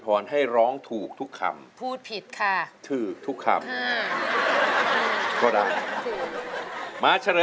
โทษใจโทษใจโทษใจโทษใจโทษใจโทษใจ